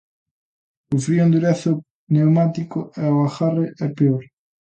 O frío endurece o pneumático e o agarre é peor.